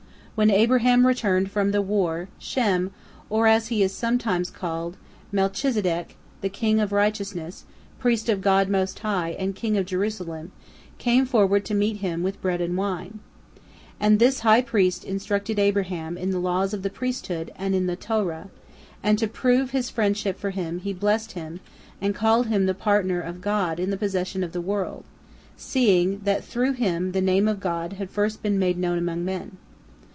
When Abraham returned from the war, Shem, or, as he is sometimes called, Melchizedek, the king of righteousness, priest of God Most High, and king of Jerusalem, came forth to meet him with bread and wine. And this high priest instructed Abraham in the laws of the priesthood and in the Torah, and to prove his friendship for him he blessed him, and called him the partner of God in the possession of the world, seeing that through him the Name of God had first been made known among men.